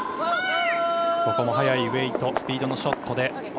ここも速いウエートスピードのショット。